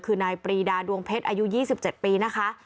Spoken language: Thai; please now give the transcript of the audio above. คือนายปรีดาดวงเพชรอายุ๒๗ปีนะคะ